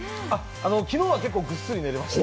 昨日は結構ぐっすり眠れました。